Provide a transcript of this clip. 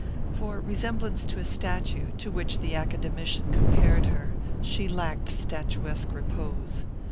For resemblance to a statue, to which the Academician compared her, she lacked statuesque repose.